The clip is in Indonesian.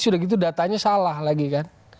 sudah gitu datanya salah lagi kan